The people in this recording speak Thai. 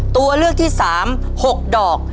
ตัวเลือกที่๓๖ดอก